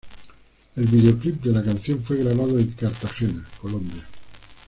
El videoclip de la canción fue grabada en Cartagena, Colombia.